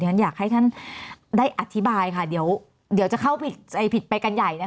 ฉันอยากให้ท่านได้อธิบายค่ะเดี๋ยวจะเข้าผิดไปกันใหญ่นะคะ